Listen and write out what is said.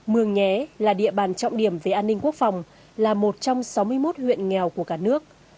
mường nhé là địa bàn trọng điểm về an ninh quốc phòng là một trong sáu mươi một huyện nghèo của cả nước